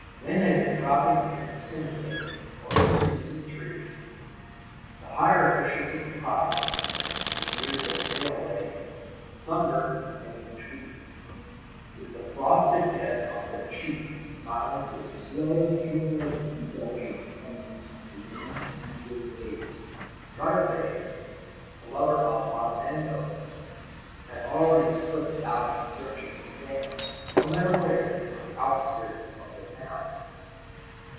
Men had been dropping in singly, or in twos and threes: the higher officials of the province, engineers of the railway, sunburnt and in tweeds, with the frosted head of their chief smiling with slow, humorous indulgence amongst the young eager faces. Scarfe, the lover of fandangos, had already slipped out in search of some dance, no matter where, on the outskirts of the town.